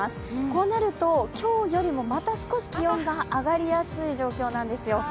こうなると今日よりもまた少し上がりやすい状況なんですよ。